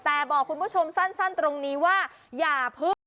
แต่บอกคุณผู้ชมสั้นตรงนี้ว่าอย่าพึ่ง